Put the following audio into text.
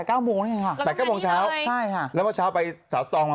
กางเกงกงกันเต็มหลบบุคคอล์แม่